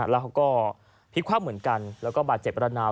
แล้วเขาก็พลิกคว่ำเหมือนกันแล้วก็บาดเจ็บระนาว